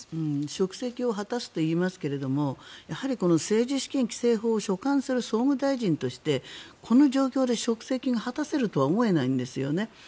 職責を果たすといいますけれどもやはり政治資金規正法を所管する総務大臣としてこの状況で職責が果たせるとは思えないんですよね。